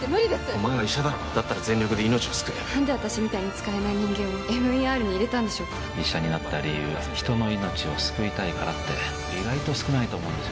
お前は医者だろだったら全力で命を救え何で私みたいに使えない人間をＭＥＲに入れたんでしょう医者になった理由人の命を救いたいからって意外と少ないと思うんですよね